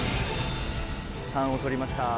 ３を取りました。